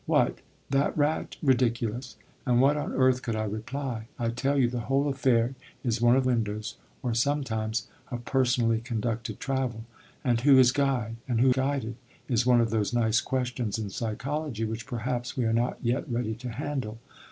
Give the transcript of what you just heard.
What, that rat? Ridiculous! And what on earth could I reply? I tell you, the whole affair is one of windows, or, sometimes, of personally conducted travel; and who is Guide and who Guided, is one of those nice questions in psychology which perhaps we are not yet ready to handle.